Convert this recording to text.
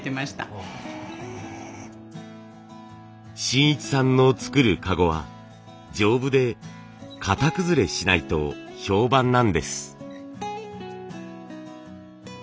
信一さんの作る籠は丈夫で型崩れしないと評判なんです。